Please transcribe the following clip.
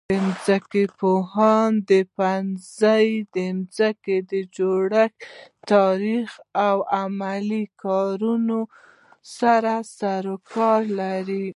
د ځمکپوهنې پوهنځی د ځمکې د جوړښت، تاریخ او عملي کارونو سره سروکار لري.